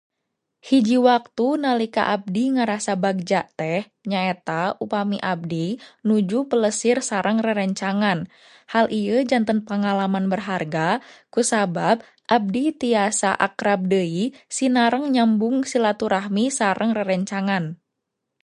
Hiji waktu nalika abdi ngarasa bagja teh nyaeta upami abdi nuju plesir sareng rerencangan, hal ieu janten pangalaman berharga kusabab abdi tiasa akrab deui sinareng nyambung silaturahmi sareng rerencangan.